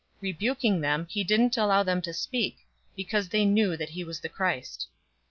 Rebuking them, he didn't allow them to speak, because they knew that he was the Christ.